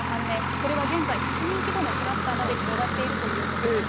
これは現在、１００人規模のクラスターにまで広がっているということです。